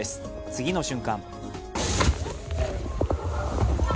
次の瞬間